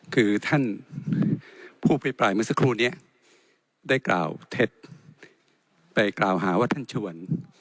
คือท่านผู้อภิปรายเมื่อสักครู่นี้ได้กล่าวเท็จไปกล่าวหาว่าท่านชวน